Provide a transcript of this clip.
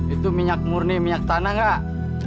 itu minyak murni minyak tanah kak